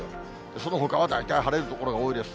そのほかは大体晴れる所が多いです。